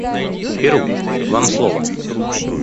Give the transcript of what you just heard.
Перу, вам слово.